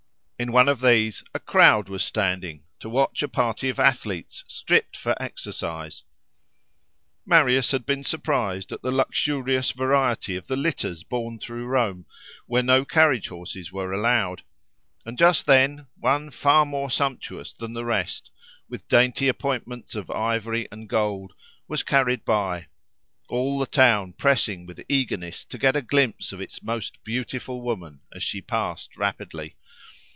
In one of these a crowd was standing, to watch a party of athletes stripped for exercise. Marius had been surprised at the luxurious variety of the litters borne through Rome, where no carriage horses were allowed; and just then one far more sumptuous than the rest, with dainty appointments of ivory and gold, was carried by, all the town pressing with eagerness to get a glimpse of its most beautiful woman, as she passed rapidly.